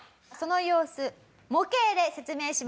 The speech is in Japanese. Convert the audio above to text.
その様子模型で説明します。